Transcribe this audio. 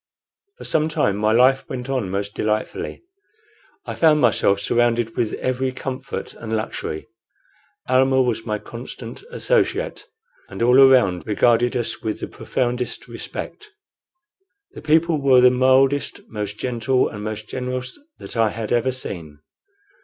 For some time my life went on most delightfully. I found myself surrounded with every comfort and luxury. Almah was my constant associate, and all around regarded us with the profoundest respect. The people were the mildest, most gentle, and most generous that I had ever seen.